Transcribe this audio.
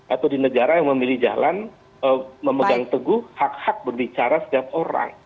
atau di negara yang memilih jalan memegang teguh hak hak berbicara setiap orang